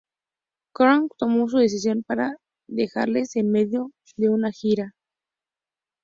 Kantner tomó su decisión para dejarles en medio de una gira.